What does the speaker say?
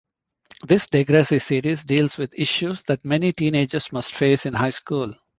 This "Degrassi" series deals with issues that many teenagers must face in high school.